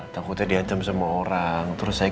takutnya dihancam semua orang terus saya